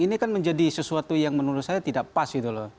ini kan menjadi sesuatu yang menurut saya tidak pas